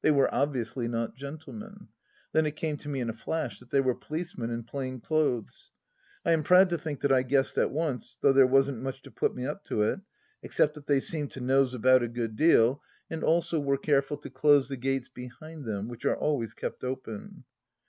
They were obviously not gentlemen. Then it came to me in a flash that they were policemen in plain clothes. I am proud to think that I guessed at once, though there wasn't much to put me up to it, except that they seemed to nose about a good deal, and jjso were careful to close the gates behind them, which are always kept open.